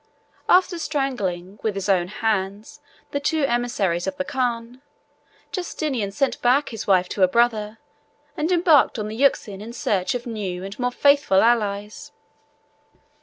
After strangling, with his own hands, the two emissaries of the khan, Justinian sent back his wife to her brother, and embarked on the Euxine in search of new and more faithful allies.